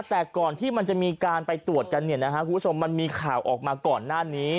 แต่ก่อนที่มันจะมีการไปตรวจกันเนี่ยนะฮะคุณผู้ชมมันมีข่าวออกมาก่อนหน้านี้